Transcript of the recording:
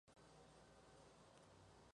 La sede del condado es Bad Axe.